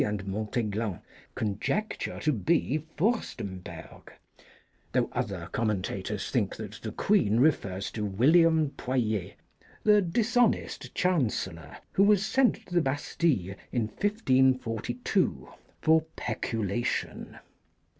225 and Montaiglon conjecture to be Furstemberg, though other commentators think that the Queen refers to William Poyet, the dishonest chancellor, who was sent to the Bastille in 1542 for peculation.